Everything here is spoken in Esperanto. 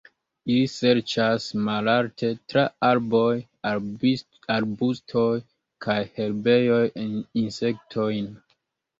Ili serĉas malalte tra arboj, arbustoj kaj herbejoj insektojn.